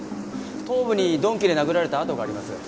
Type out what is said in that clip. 頭部に鈍器で殴られた痕があります。